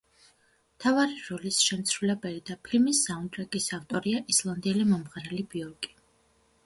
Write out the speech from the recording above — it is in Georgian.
მთავარი როლის შემსრულებელი და ფილმის საუნდტრეკის ავტორია ისლანდიელი მომღერალი ბიორკი.